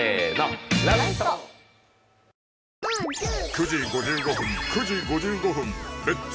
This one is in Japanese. ９時５５分９時５５分「レッツ！